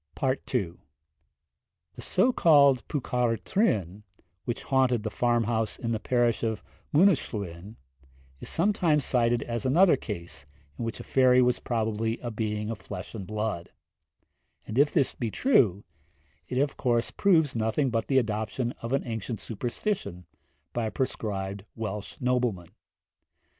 II. The so called Pwca'r Trwyn, which haunted the farm house in the parish of Mynyddyslwyn, is sometimes cited as another case in which a fairy was probably a being of flesh and blood; and if this be true, it of course proves nothing but the adoption of an ancient superstition by a proscribed Welsh nobleman.